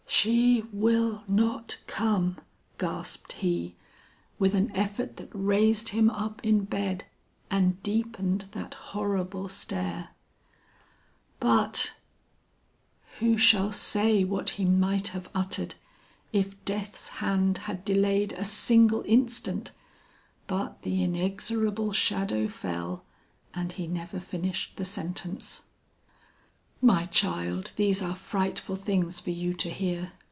"'She will not come,' gasped he, with an effort that raised him up in bed, and deepened that horrible stare, 'but ' "Who shall say what he might have uttered if Death's hand had delayed a single instant, but the inexorable shadow fell, and he never finished the sentence. "My child, these are frightful things for you to hear.